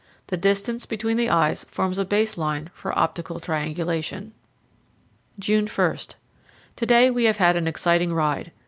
The distance between the eyes forms a base line for optical triangulation. June 1. To day we have an exciting ride.